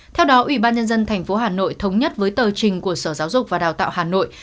theo đó ủy ban nhân dân tp hà nội thống nhất với tờ trình của sở giáo dục và đào tạo hà nội